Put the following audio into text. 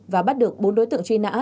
và bắt được bốn đối tượng truy nã